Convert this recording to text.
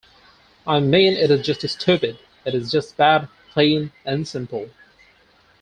I mean it is just stupid, it is just bad, plain and simple.